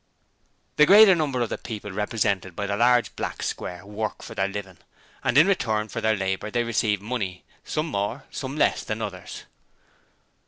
'The greater number of the people represented by the large black square work for their living: and in return for their labour they receive money: some more, some less than others.'